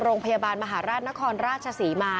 โรงพยาบาลมหาลนครราชมนธ์ราชสีมา